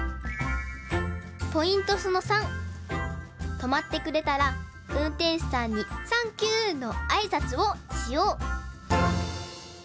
とまってくれたらうんてんしゅさんに「サンキュー！」のあいさつをしよう！